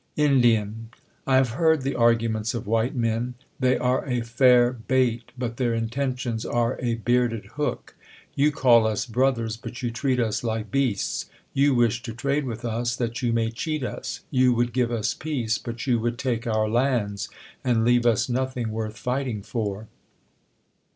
Ind. I have heard the arguments of White Men : they are a fair bait ; but their intentions are a bearded hook. You call us brothers, but you treat us like beasts ; you wish to trade with us, that you may cheat us ; you would give us peace, but you would take our lands, and leave us nothing worth fighting for.